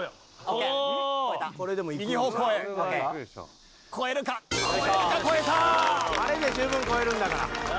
あれで十分越えるんだから。